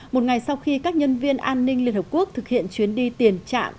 một ngày sau khi các nhân viên an ninh liên hợp quốc thực hiện chuyến đi tiền chạm